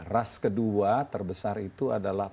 ras kedua terbesar itu adalah